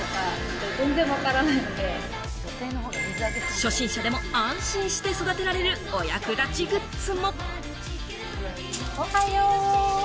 初心者でも安心して育てられる、お役立ちグッズも。